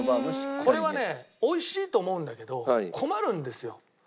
これはね美味しいと思うんだけど困るんですよ。